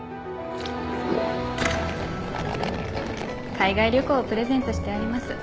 海外旅行をプレゼントしてあります。